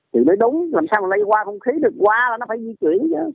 chứ đấy đúng làm sao mà lây qua không khí được qua là nó phải di chuyển chứ